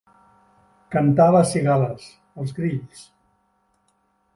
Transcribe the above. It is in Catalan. Cantar les cigales, els grills.